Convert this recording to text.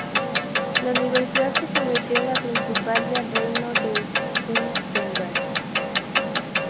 La Universidad se convirtió en la principal del reino de Wurtemberg.